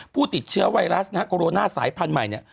ผู้ติดเชื้อไวรัสนะฮะโคโรนาสายพันธุ์ใหม่เนี่ย